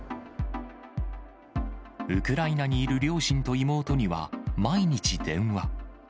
ウクライナにいる両親と妹には、毎日電話。